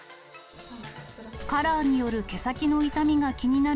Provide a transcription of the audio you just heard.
カラーによる毛先の傷みが気になる